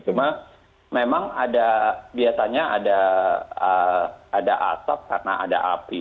cuma memang ada biasanya ada asap karena ada api